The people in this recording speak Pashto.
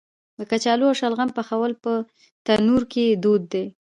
د کچالو او شلغم پخول په تندور کې دود دی.